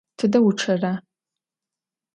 Tıde vuççera?